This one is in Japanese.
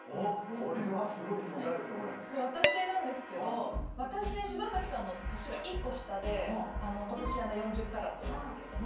これ私なんですけど私柴咲さんの年が１個下でことし４０カラットなんですけども。